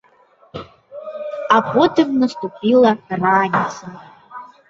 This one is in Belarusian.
А потым наступіла раніца.